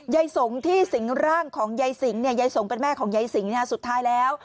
สงฆ์ที่สิงร่างของยายสิงยายสงฆ์เป็นแม่ของยายสิงสุดท้ายแล้ว